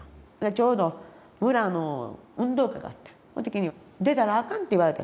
ちょうど村の運動会があった時に「出たらあかん」って言われた。